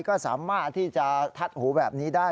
ก็สามารถที่จะทัดหูแบบนี้ได้